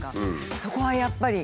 そこはやっぱりね